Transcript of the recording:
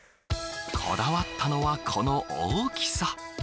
こだわったのは、この大きさ。